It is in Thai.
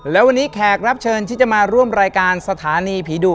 และวันนี้แขกรับเชิญที่จะมาร่วมรายการสถานีผีดุ